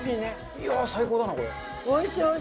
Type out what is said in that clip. いやあ最高だなこれ。